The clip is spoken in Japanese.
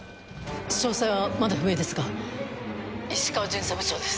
詳細はまだ不明ですが石川巡査部長です。